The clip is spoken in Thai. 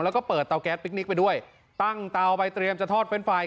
แล้วก็เปิดเตาแก๊สพิคนิคไปด้วยตั้งเตาไปเตรียมจะทอดเป็นไฟ